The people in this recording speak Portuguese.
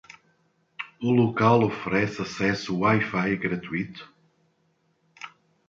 O local oferece acesso Wi-Fi gratuito?